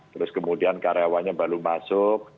terus kemudian karyawannya baru masuk